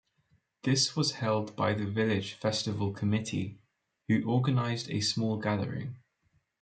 This was held by the village festival committee who organized a small gathering.